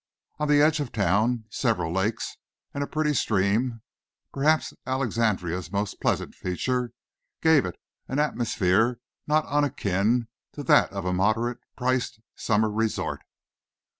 On the edge of town, several lakes and a pretty stream perhaps Alexandria's most pleasant feature gave it an atmosphere not unakin to that of a moderate priced summer resort.